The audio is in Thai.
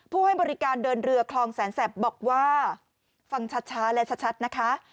ให้บริการเดินเรือคลองแสนแสบบอกว่าฟังชัดและชัดนะคะ